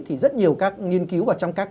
thì rất nhiều các nghiên cứu và trong các